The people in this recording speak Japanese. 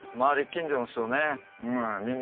近所の人ねうん。